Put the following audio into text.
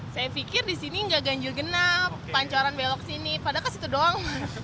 saya pikir di sini nggak ganjil genap pancoran belok sini padahal ke situ doang